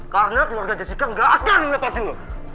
karena keluarga jessica gak akan lepasin lo